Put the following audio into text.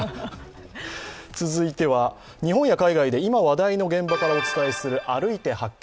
続いては、日本や海外で今話題の現場からお伝えする「歩いて発見！